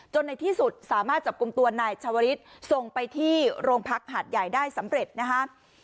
ในที่สุดสามารถจับกลุ่มตัวนายชาวริสส่งไปที่โรงพักหาดใหญ่ได้สำเร็จนะคะ